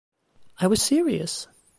I was serious.